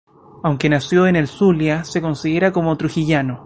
Aunque nació en el Zulia se considera como Trujillano.